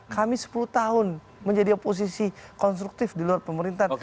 kami sepuluh tahun menjadi oposisi konstruktif di luar pemerintahan